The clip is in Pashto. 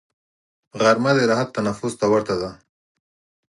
غرمه د راحت تنفس ته ورته ده